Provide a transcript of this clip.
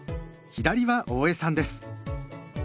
左は大江さんです。